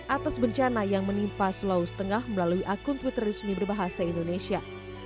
atas bencana yang menimpa sulawesi tengah melalui akun twitter resmi berbahasa indonesia